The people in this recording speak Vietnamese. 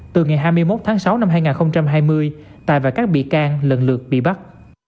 từ ngày hai mươi một tháng sáu năm hai nghìn hai mươi tài và các bị can lần lượt bị bắt